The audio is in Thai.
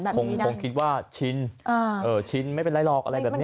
คงคิดว่าชินชินไม่เป็นไรหรอกอะไรแบบนี้